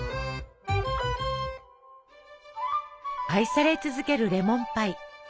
愛され続けるレモンパイ。